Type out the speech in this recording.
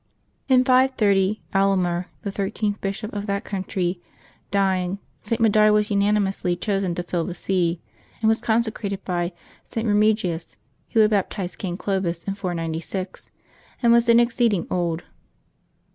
In 530, Alomer, the thirteenth bishop of that countr}^, d3dng, St. Medard was unanimously chosen to fill the see, and was consecrated by St. Eemigius, who had baptized King Clovis in 496, and was then exceeding old.